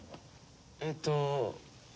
えっと。